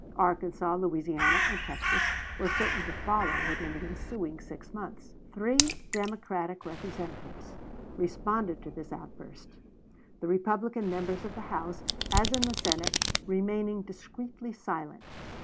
Arkansas, Louisiana, and Texas were certain to follow within the ensuing six months. Three Democratic Representatives responded to this outburst, the Republican members of the House, as in the Senate, remaining discreetly silent.